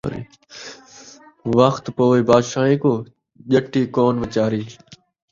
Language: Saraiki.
وخت پووے بادشاہیں کوں ، ڄٹی کون وچاری